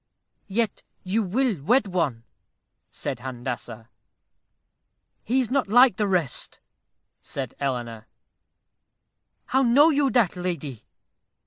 "Yet you will wed one," said Handassah. "He is not like the rest," said Eleanor. "How know you that, lady?"